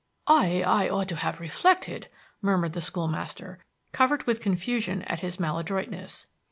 "I I ought to have reflected," murmured the school master, covered with confusion at his maladroitness.